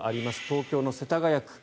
東京の世田谷区。